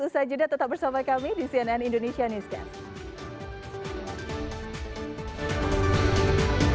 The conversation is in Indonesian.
usaha jeda tetap bersama kami di cnn indonesia newscast